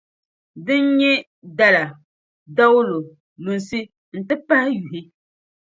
Din n-nyɛ: dala, dawulo, lunsi, nti pahi yuhi.